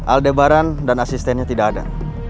aldebaran dan asistennya tidak ada